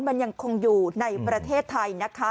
มันยังคงอยู่ในประเทศไทยนะคะ